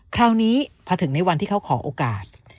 คราวนี้พอถึงในวันที่เขาขอโอกาส